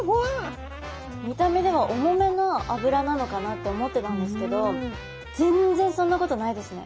見た目では重めな脂なのかなって思ってたんですけど全然そんなことないですね。